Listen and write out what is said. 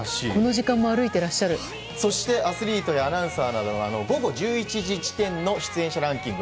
そして、アスリートやアナウンサーなどの午後１１時時点の出演者ランキング